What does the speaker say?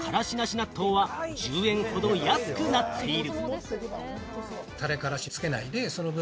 納豆は１０円ほど安くなっている。